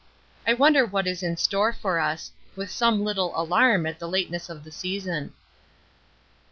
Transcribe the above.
I wonder what is in store for us, with some little alarm at the lateness of the season.